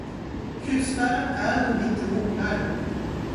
Krusbären är nog inte mogna ännu.